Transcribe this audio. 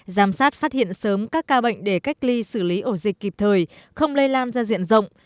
giám sát phát hiện sớm các ca bệnh để cách ly xử lý ổ dịch kịp thời không lây lan ra diện rộng